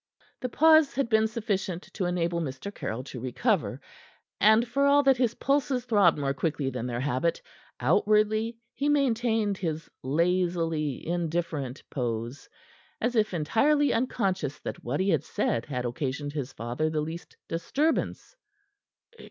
The pause had been sufficient to enable Mr. Caryll to recover, and for all that his pulses throbbed more quickly than their habit, outwardly he maintained his lazily indifferent pose, as if entirely unconscious that what he had said had occasioned his father the least disturbance.